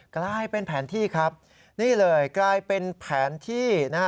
กลายเป็นแผนที่ครับนี่เลยกลายเป็นแผนที่นะฮะ